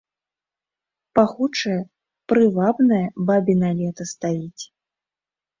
Пахучае, прывабнае бабіна лета стаіць.